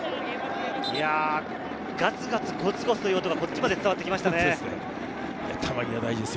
ガツガツ、ゴツゴツという音がこちらまで伝わってきました。